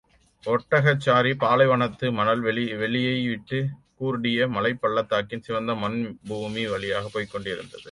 ஒட்டகச்சாரி, பாலைவனத்து மணல் வெளியைவிட்டுக் கூர்டிய மலைப் பள்ளத்தாக்கின் சிவந்த மண் பூமி வழியாகப் போய்க் கொண்டிருந்தது.